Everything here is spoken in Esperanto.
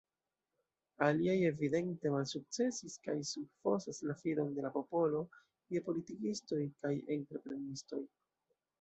Aliaj evidente malsukcesis kaj subfosas la fidon de la popolo je politikistoj kaj entreprenistoj.